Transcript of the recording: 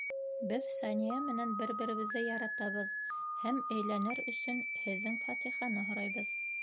Беҙ Сания менән бер-беребеҙҙе яратабыҙ, һәм әйләнер өсөн һеҙҙең фатиханы һорайбыҙ.